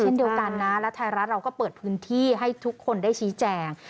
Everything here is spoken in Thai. เช่นเดียวกันนะและไทยรัฐเราก็เปิดพื้นที่ให้ทุกคนได้ชี้แจง